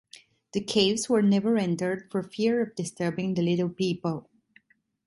The caves were never entered for fear of disturbing the little people.